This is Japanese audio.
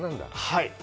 はい。